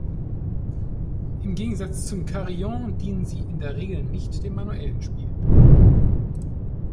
Im Gegensatz zum Carillon dienen sie in der Regel nicht dem manuellen Spiel.